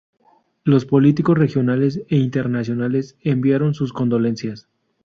Los políticos regionales e internacionales enviaron sus condolencias.